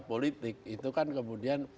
politik itu kan kemudian